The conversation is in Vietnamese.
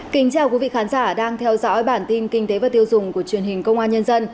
kính chào quý vị khán giả đang theo dõi bản tin kinh tế và tiêu dùng của truyền hình công an nhân dân